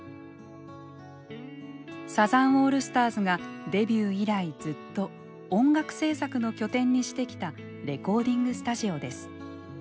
サザンオールスターズがデビュー以来ずっと音楽制作の拠点にしてきたレコーディングスタジオです。